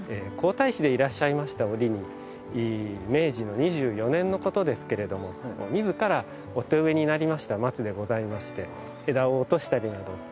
皇太子でいらっしゃいました折に明治の２４年のことですけれども自ら御手植えになりました松でございまして枝を落としたりなど